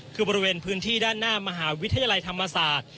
คือบริเวณพื้นที่ด้านหน้ามหาวิทยาลัยธรรมศาสตร์